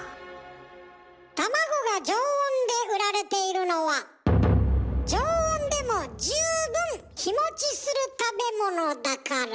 卵が常温で売られているのは常温でも十分日持ちする食べ物だから。